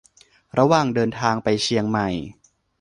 ระหว่างเดินทางไปเชียงใหม่